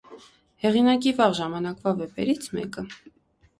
Հեղինակի վաղ ժամանակվա վեպերից մեկը։